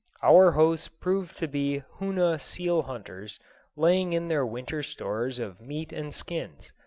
Our hosts proved to be Hoona seal hunters laying in their winter stores of meat and skins.